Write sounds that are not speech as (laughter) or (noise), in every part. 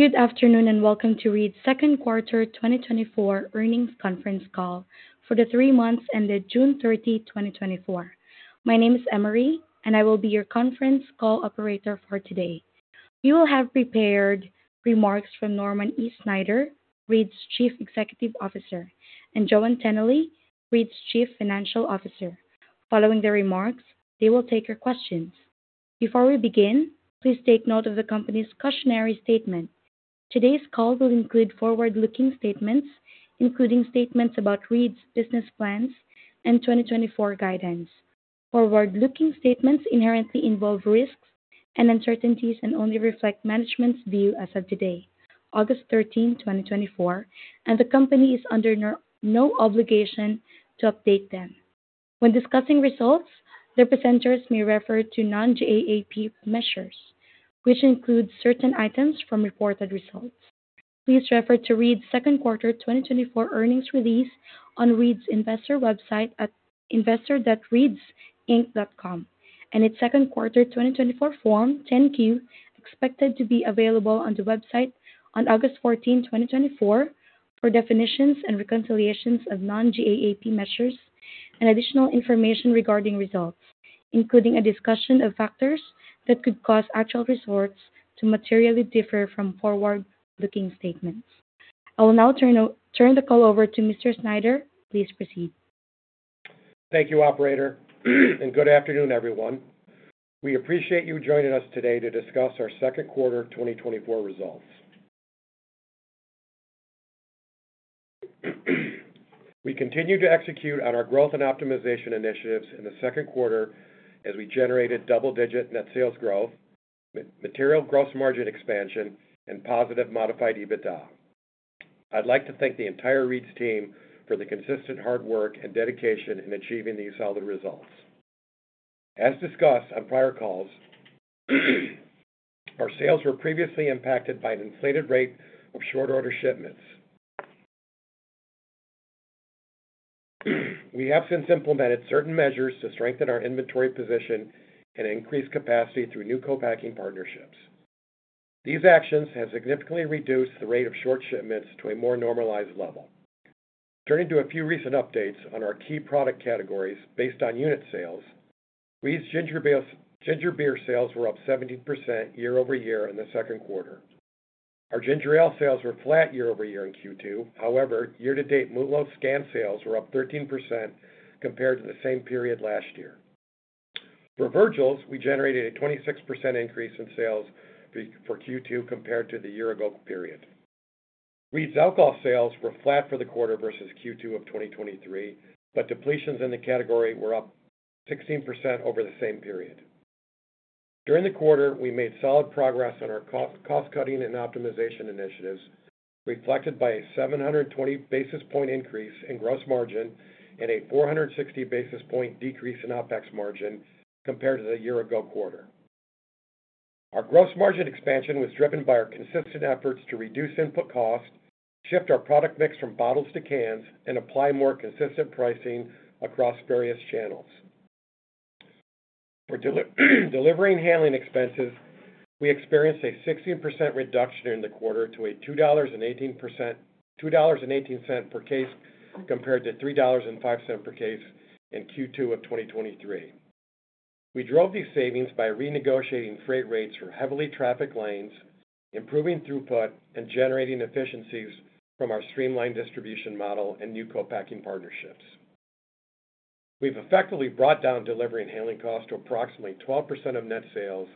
Good afternoon, and welcome to Reed's Second Quarter 2024 Earnings Conference Call for The Three Months Ended June 30, 2024. My name is Emery, and I will be your conference call operator for today. You will have prepared remarks from Norman E. Snyder, Reed's Chief Executive Officer, and Joann Tinnelly, Reed's Chief Financial Officer. Following the remarks, they will take your questions. Before we begin, please take note of the company's cautionary statement. Today's call will include forward-looking statements, including statements about Reed's business plans and 2024 guidance. Forward-looking statements inherently involve risks and uncertainties and only reflect management's view as of today, August 13, 2024, and the company is under no obligation to update them. When discussing results, the presenters may refer to non-GAAP measures, which include certain items from reported results. Please refer to Reed's second quarter 2024 earnings release on Reed's investor website at investor.reedsinc.com and its second quarter 2024 Form 10-Q, expected to be available on the website on August 14, 2024, for definitions and reconciliations of non-GAAP measures and additional information regarding results, including a discussion of factors that could cause actual results to materially differ from forward-looking statements. I will now turn the call over to Mr. Snyder. Please proceed. Thank you, operator, and good afternoon, everyone. We appreciate you joining us today to discuss our second quarter 2024 results. We continued to execute on our growth and optimization initiatives in the second quarter as we generated double-digit net sales growth, material gross margin expansion and positive Modified EBITDA. I'd like to thank the entire Reed's team for the consistent hard work and dedication in achieving these solid results. As discussed on prior calls, our sales were previously impacted by an inflated rate of short order shipments. We have since implemented certain measures to strengthen our inventory position and increase capacity through new co-packing partnerships. These actions have significantly reduced the rate of short shipments to a more normalized level. Turning to a few recent updates on our key product categories based on unit sales, Reed's Ginger Beer sales were up 17% year-over-year in the second quarter. Our ginger ale sales were flat year-over-year in Q2. However, year-to-date, MULO scan sales were up 13% compared to the same period last year. For Virgil's, we generated a 26% increase in sales for Q2 compared to the year ago period. Reed's alcohol sales were flat for the quarter versus Q2 of 2023, but depletions in the category were up 16% over the same period. During the quarter, we made solid progress on our cost, cost-cutting and optimization initiatives, reflected by a 720 basis point increase in gross margin and a 460 basis point decrease in OpEx margin compared to the year ago quarter. Our gross margin expansion was driven by our consistent efforts to reduce input costs, shift our product mix from bottles to cans, and apply more consistent pricing across various channels. For delivery and handling expenses, we experienced a 16% reduction in the quarter to $2.18 per case, compared to $3.05 per case in Q2 of 2023. We drove these savings by renegotiating freight rates for heavily trafficked lanes, improving throughput, and generating efficiencies from our streamlined distribution model and new co-packing partnerships. We've effectively brought down delivery and handling costs to approximately 12% of net sales,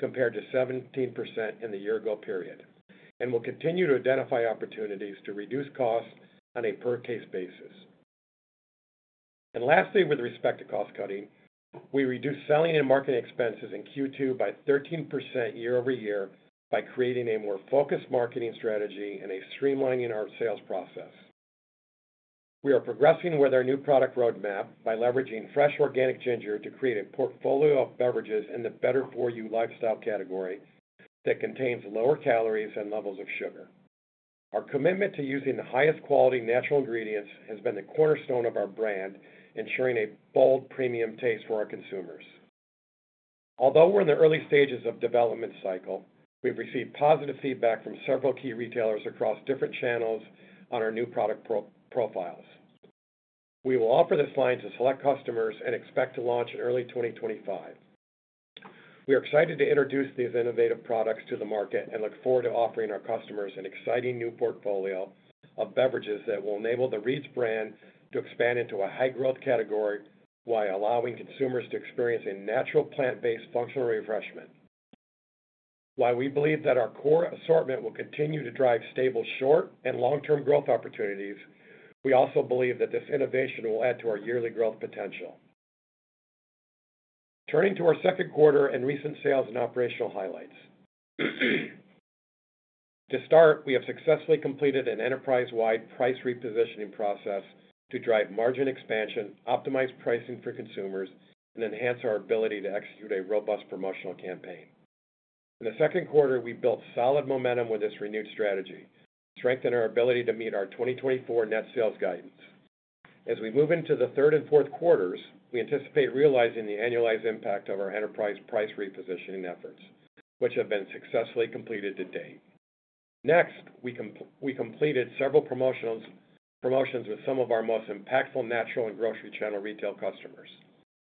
compared to 17% in the year ago period, and will continue to identify opportunities to reduce costs on a per-case basis. Lastly, with respect to cost cutting, we reduced selling and marketing expenses in Q2 by 13% year-over-year by creating a more focused marketing strategy and streamlining our sales process. We are progressing with our new product roadmap by leveraging fresh organic ginger to create a portfolio of beverages in the Better-For-You lifestyle category that contains lower calories and levels of sugar. Our commitment to using the highest quality natural ingredients has been the cornerstone of our brand, ensuring a bold, premium taste for our consumers. Although we're in the early stages of development cycle, we've received positive feedback from several key retailers across different channels on our new product profiles. We will offer this line to select customers and expect to launch in early 2025. We are excited to introduce these innovative products to the market and look forward to offering our customers an exciting new portfolio of beverages that will enable the Reed's brand to expand into a high-growth category while allowing consumers to experience a natural, plant-based, functional refreshment. While we believe that our core assortment will continue to drive stable, short and long-term growth opportunities, we also believe that this innovation will add to our yearly growth potential. Turning to our second quarter and recent sales and operational highlights. To start, we have successfully completed an enterprise-wide price repositioning process to drive margin expansion, optimize pricing for consumers, and enhance our ability to execute a robust promotional campaign. In the second quarter, we built solid momentum with this renewed strategy, strengthened our ability to meet our 2024 net sales guidance... As we move into the third and fourth quarters, we anticipate realizing the annualized impact of our enterprise price repositioning efforts, which have been successfully completed to date. Next, we completed several promotionals, promotions with some of our most impactful natural and grocery channel retail customers.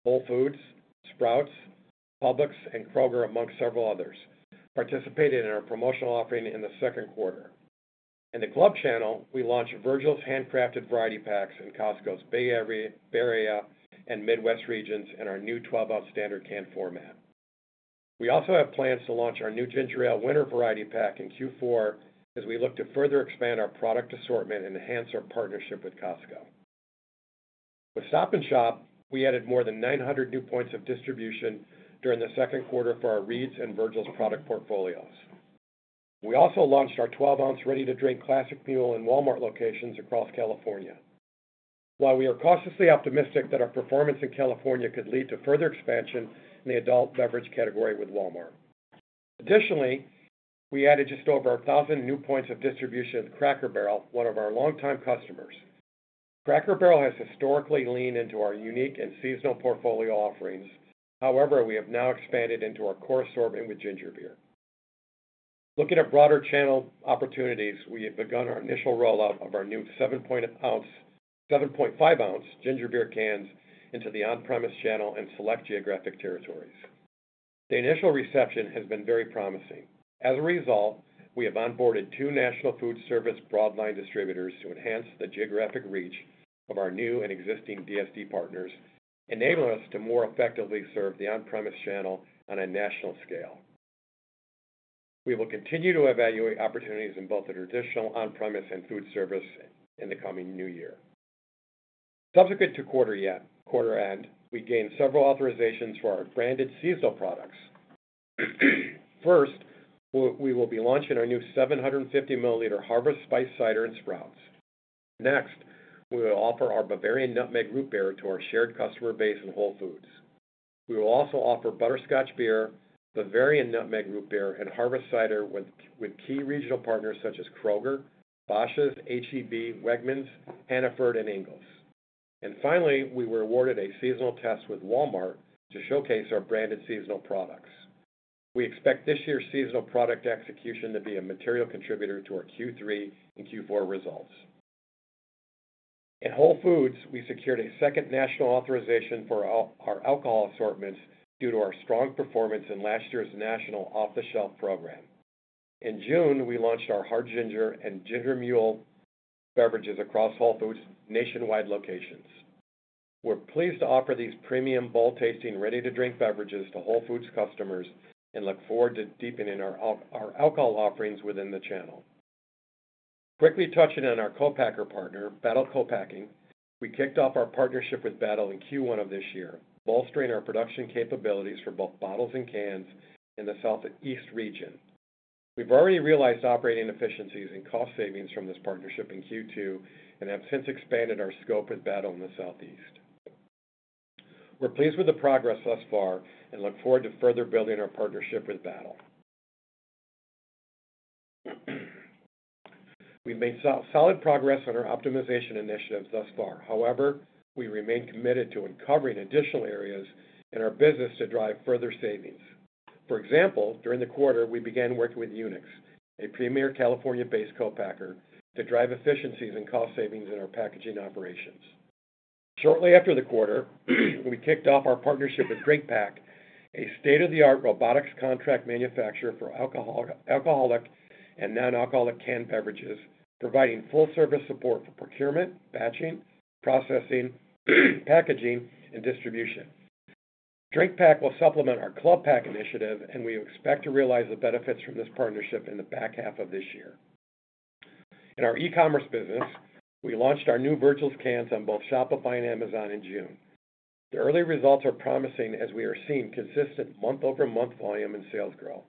Whole Foods, Sprouts, Publix, and Kroger, amongst several others, participated in our promotional offering in the second quarter. In the club channel, we launched Virgil's handcrafted variety packs in Costco's Bay Area and Midwest regions, and our new 12-ounce standard can format. We also have plans to launch our new Ginger Ale Winter Variety Pack in Q4 as we look to further expand our product assortment and enhance our partnership with Costco. With Stop & Shop, we added more than 900 new points of distribution during the second quarter for our Reed's and Virgil's product portfolios. We also launched our 12-ounce ready-to-drink Classic Mule in Walmart locations across California. While we are cautiously optimistic that our performance in California could lead to further expansion in the adult beverage category with Walmart. Additionally, we added just over 1,000 new points of distribution at Cracker Barrel, one of our longtime customers. Cracker Barrel has historically leaned into our unique and seasonal portfolio offerings. However, we have now expanded into our core assortment with ginger beer. Looking at broader channel opportunities, we have begun our initial rollout of our new 7.5-ounce ginger beer cans into the on-premise channel and select geographic territories. The initial reception has been very promising. As a result, we have onboarded two national food service broadline distributors to enhance the geographic reach of our new and existing DSD partners, enabling us to more effectively serve the on-premise channel on a national scale. We will continue to evaluate opportunities in both the traditional on-premise and food service in the coming new year. Subsequent to quarter-end, we gained several authorizations for our branded seasonal products. First, we will be launching our new 750-milliliter Harvest Spiced Cider in Sprouts. Next, we will offer our Bavarian Nutmeg Root Beer to our shared customer base in Whole Foods. We will also offer Butterscotch Beer, Bavarian Nutmeg Root Beer, and Harvest Cider with key regional partners such as Kroger, Bashas', H-E-B, Wegmans, Hannaford, and Ingles. Finally, we were awarded a seasonal test with Walmart to showcase our branded seasonal products. We expect this year's seasonal product execution to be a material contributor to our Q3 and Q4 results. In Whole Foods, we secured a second national authorization for our alcohol assortments due to our strong performance in last year's national off-the-shelf program. In June, we launched our Hard Ginger and Ginger Mule beverages across Whole Foods nationwide locations. We're pleased to offer these premium, bold tasting, ready-to-drink beverages to Whole Foods customers and look forward to deepening our alcohol offerings within the channel. Quickly touching on our co-packer partner, Battle Co-Packing. We kicked off our partnership with Battle in Q1 of this year, bolstering our production capabilities for both bottles and cans in the Southeast region. We've already realized operating efficiencies and cost savings from this partnership in Q2 and have since expanded our scope with Battle in the Southeast. We're pleased with the progress thus far and look forward to further building our partnership with Battle. We've made solid progress on our optimization initiatives thus far. However, we remain committed to uncovering additional areas in our business to drive further savings. For example, during the quarter, we began working with Unix, a premier California-based co-packer, to drive efficiencies and cost savings in our packaging operations. Shortly after the quarter, we kicked off our partnership with DrinkPAK, a state-of-the-art robotics contract manufacturer for alcoholic and non-alcoholic canned beverages, providing full service support for procurement, batching, processing, packaging, and distribution. DrinkPAK will supplement our club pack initiative, and we expect to realize the benefits from this partnership in the back half of this year. In our e-commerce business, we launched our new Virgil's cans on both Shopify and Amazon in June. The early results are promising, as we are seeing consistent month-over-month volume and sales growth.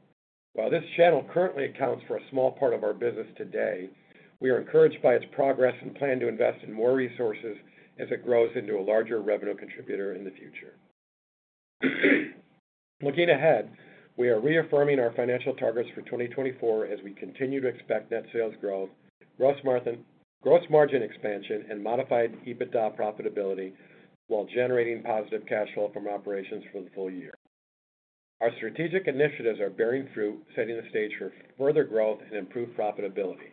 While this channel currently accounts for a small part of our business today, we are encouraged by its progress and plan to invest in more resources as it grows into a larger revenue contributor in the future. Looking ahead, we are reaffirming our financial targets for 2024 as we continue to expect net sales growth, gross margin, gross margin expansion, and modified EBITDA profitability while generating positive cash flow from operations for the full year. Our strategic initiatives are bearing fruit, setting the stage for further growth and improved profitability.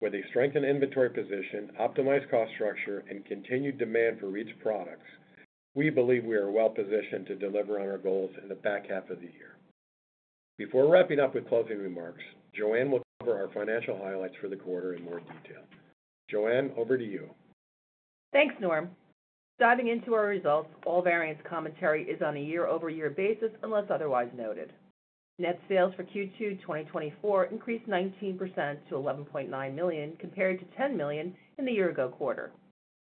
With a strengthened inventory position, optimized cost structure, and continued demand for Reed's products, we believe we are well positioned to deliver on our goals in the back half of the year. Before wrapping up with closing remarks, Joann will cover our financial highlights for the quarter in more detail. Joann, over to you. Thanks, Norm. Diving into our results, all variance commentary is on a year-over-year basis, unless otherwise noted. Net sales for Q2 2024 increased 19% to $11.9 million, compared to $10 million in the year ago quarter.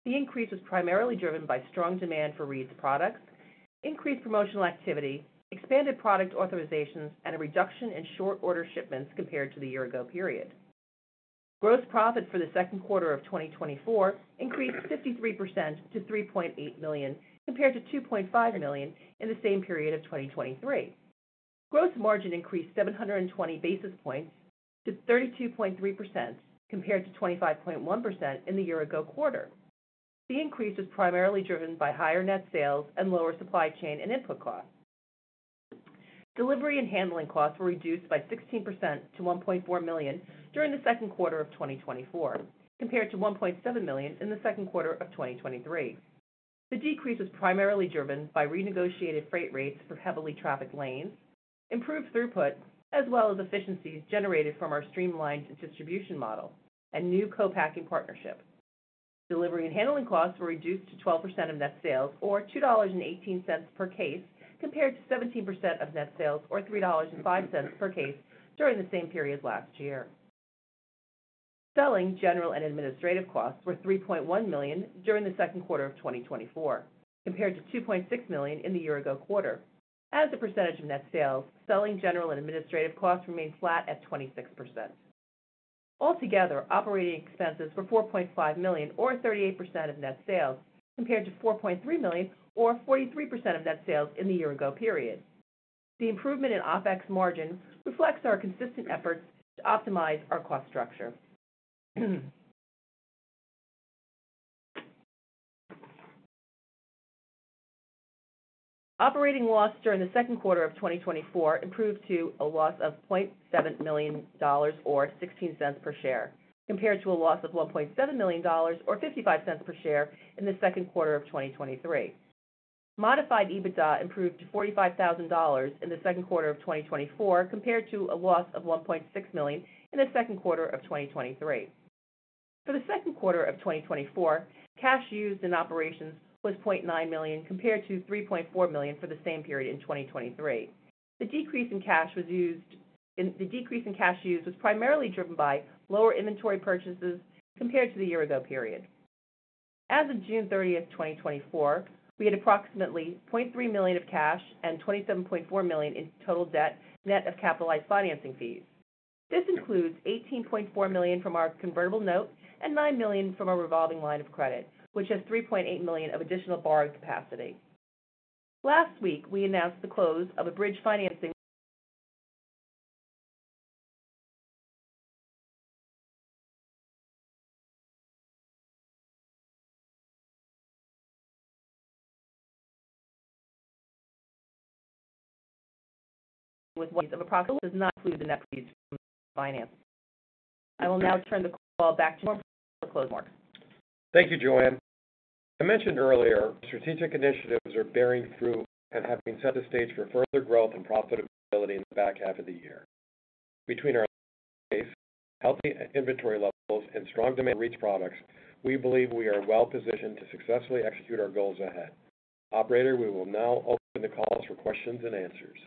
The increase was primarily driven by strong demand for Reed's products, increased promotional activity, expanded product authorizations, and a reduction in short order shipments compared to the year ago period. Gross profit for the second quarter of 2024 increased 53% to $3.8 million, compared to $2.5 million in the same period of 2023.... Gross margin increased 720 basis points to 32.3% compared to 25.1% in the year ago quarter. The increase was primarily driven by higher net sales and lower supply chain and input costs. Delivery and handling costs were reduced by 16% to $1.4 million during the second quarter of 2024, compared to $1.7 million in the second quarter of 2023. The decrease was primarily driven by renegotiated freight rates for heavily trafficked lanes, improved throughput, as well as efficiencies generated from our streamlined distribution model and new co-packing partnership. Delivery and handling costs were reduced to 12% of net sales, or $2.18 per case, compared to 17% of net sales or $3.05 per case during the same period last year. Selling general and administrative costs were $3.1 million during the second quarter of 2024, compared to $2.6 million in the year ago quarter. As a percentage of net sales, selling general and administrative costs remained flat at 26%. Altogether, operating expenses were $4.5 million, or 38% of net sales, compared to $4.3 million or 43% of net sales in the year ago period. The improvement in OpEx margin reflects our consistent efforts to optimize our cost structure. Operating loss during the second quarter of 2024 improved to a loss of $0.7 million, or $0.16 per share, compared to a loss of $1.7 million, or $0.55 per share in the second quarter of 2023. Modified EBITDA improved to $45,000 in the second quarter of 2024, compared to a loss of $1.6 million in the second quarter of 2023. For the second quarter of 2024, cash used in operations was $0.9 million, compared to $3.4 million for the same period in 2023. The decrease in cash used was primarily driven by lower inventory purchases compared to the year ago period. As of June 30, 2024, we had approximately $0.3 million of cash and $27.4 million in total debt, net of capitalized financing fees. This includes $18.4 million from our convertible note and $9 million from our revolving line of credit, which has $3.8 million of additional borrowing capacity. Last week, we announced the close of a bridge financing. (audio distortion) Does not include the net fees from financing. I will now turn the call back to you for closing remarks. Thank you, Joann. I mentioned earlier, strategic initiatives are bearing fruit and have set the stage for further growth and profitability in the back half of the year. Between our healthy inventory levels and strong demand for Reed's products, we believe we are well positioned to successfully execute our goals ahead. Operator, we will now open the call for questions and answers.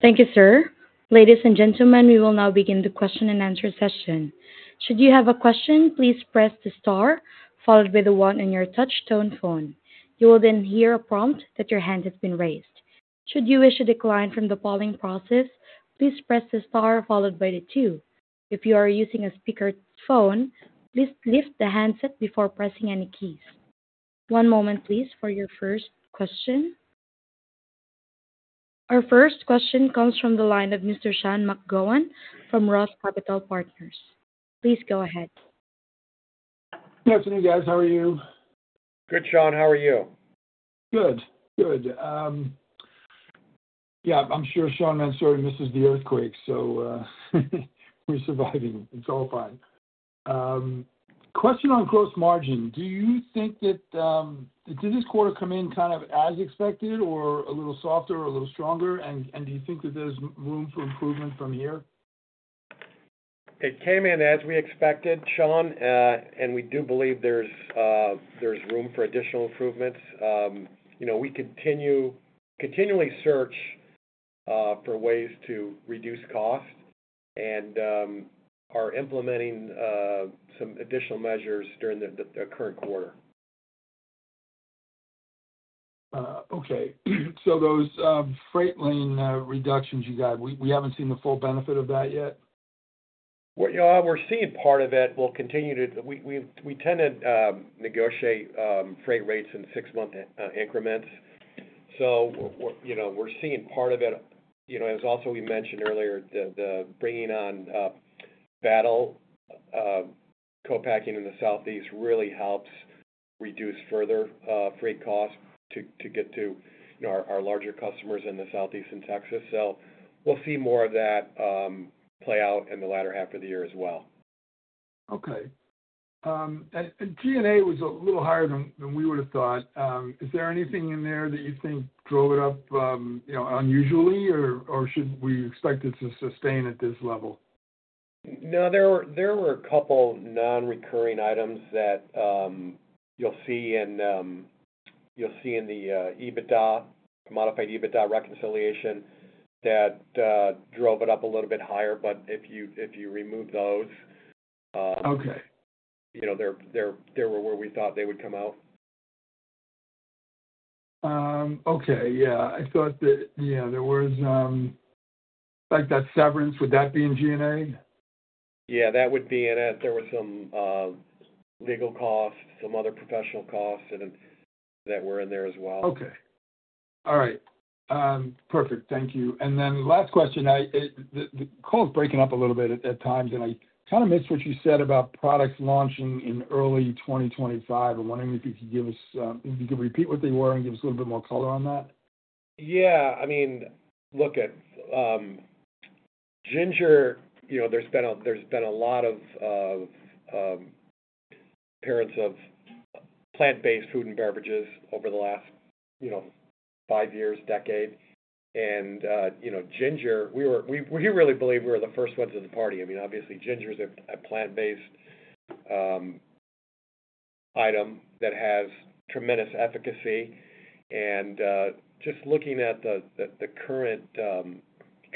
Thank you, sir. Ladies and gentlemen, we will now begin the question-and-answer session. Should you have a question, please press the star followed by the one on your touch tone phone. You will then hear a prompt that your hand has been raised. Should you wish to decline from the polling process, please press the star followed by the two. If you are using a speakerphone, please lift the handset before pressing any keys. One moment, please, for your first question. Our first question comes from the line of Mr. Sean McGowan from Roth Capital Partners. Please go ahead. Good afternoon, guys. How are you? Good, Sean, how are you? Good, good. Yeah, I'm sure Sean McGowan misses the earthquake, so, we're surviving. It's all fine. Question on gross margin, do you think that, did this quarter come in kind of as expected or a little softer or a little stronger? And, and do you think that there's room for improvement from here? It came in as we expected, Sean, and we do believe there's room for additional improvements. You know, we continually search for ways to reduce costs and are implementing some additional measures during the current quarter. Okay. So those freight lane reductions you got, we haven't seen the full benefit of that yet? Well, yeah, we're seeing part of it. We'll continue to... We tend to negotiate freight rates in six-month increments. So we're, you know, we're seeing part of it. You know, as also we mentioned earlier, the bringing on Battle Co-Packing in the Southeast really helps reduce further freight costs to get to, you know, our larger customers in the Southeast and Texas. So we'll see more of that play out in the latter half of the year as well. Okay. And G&A was a little higher than we would have thought. Is there anything in there that you think drove it up, you know, unusually, or should we expect it to sustain at this level? No, there were a couple non-recurring items that you'll see in the EBITDA, modified EBITDA reconciliation that drove it up a little bit higher. But if you remove those, Okay. You know, they were where we thought they would come out. Okay. Yeah, I thought that, yeah, there was, like, that severance, would that be in G&A?... Yeah, that would be in it. There was some legal costs, some other professional costs that were in there as well. Okay. All right. Perfect. Thank you. And then last question. The call is breaking up a little bit at times, and I kinda missed what you said about products launching in early 2025. I'm wondering if you could give us, if you could repeat what they were and give us a little bit more color on that. Yeah. I mean, look at ginger, you know, there's been a lot of appearance of plant-based food and beverages over the last, you know, five years, decade. And you know, ginger, we really believe we were the first ones to the party. I mean, obviously, ginger is a plant-based item that has tremendous efficacy. And just looking at the current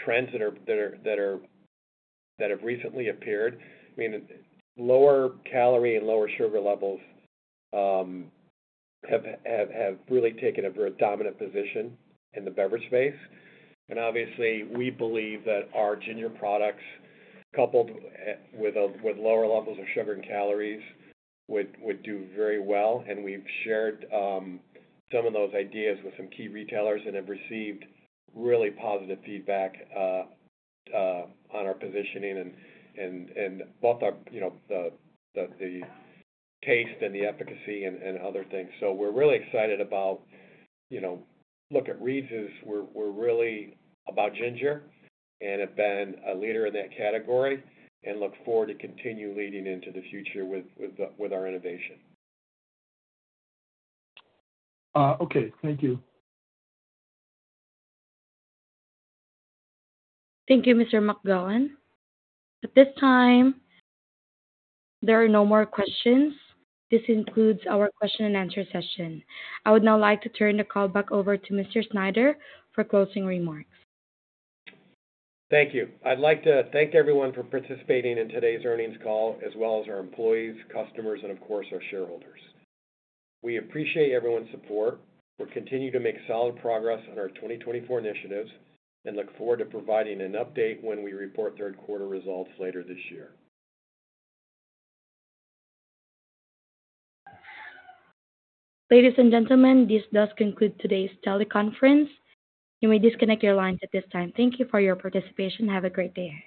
trends that have recently appeared, I mean, lower calorie and lower sugar levels have really taken a very dominant position in the beverage space. And obviously, we believe that our ginger products, coupled with lower levels of sugar and calories, would do very well. And we've shared some of those ideas with some key retailers and have received really positive feedback on our positioning and both our, you know, the taste and the efficacy and other things. So we're really excited about, you know, look at Reed's, we're really about ginger and have been a leader in that category, and look forward to continue leading into the future with our innovation. Okay. Thank you. Thank you, Mr. McGowan. At this time, there are no more questions. This concludes our question-and-answer session. I would now like to turn the call back over to Mr. Snyder for closing remarks. Thank you. I'd like to thank everyone for participating in today's earnings call, as well as our employees, customers, and of course, our shareholders. We appreciate everyone's support. We're continuing to make solid progress on our 2024 initiatives and look forward to providing an update when we report third quarter results later this year. Ladies and gentlemen, this does conclude today's teleconference. You may disconnect your lines at this time. Thank you for your participation, and have a great day.